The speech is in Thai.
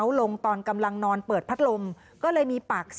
มีคนร้องบอกให้ช่วยด้วยก็เห็นภาพเมื่อสักครู่นี้เราจะได้ยินเสียงเข้ามาเลย